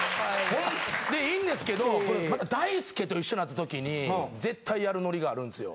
いいんですけどこれまた大輔と一緒なった時に絶対やるノリがあるんですよ！